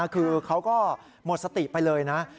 คือเขาก็หมดสติไปเลยนะ